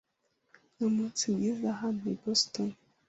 Numunsi mwiza hano i Boston.